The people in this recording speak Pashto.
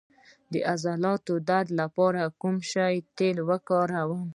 د عضلاتو درد لپاره د کوم شي تېل وکاروم؟